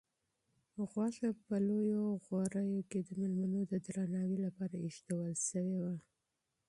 غوښه په لویو غوریو کې د مېلمنو د درناوي لپاره ایښودل شوې وه.